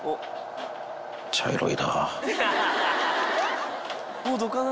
茶色いな。